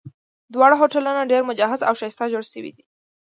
دواړه هوټلونه ډېر مجهز او ښایسته جوړ شوي دي.